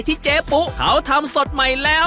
ไส้ยากกว่าเยอะเลย